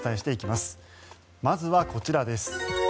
まずはこちらです。